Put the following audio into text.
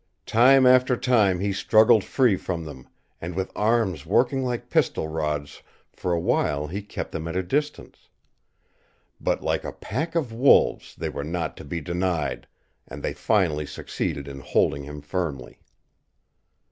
Time after time he struggled free from them and with arms working like piston rods for a while he kept them at a distance. But, like a pack of wolves, they were not to be denied, and they finally succeeded in holding him firmly.